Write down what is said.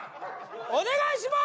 お願いしまーす！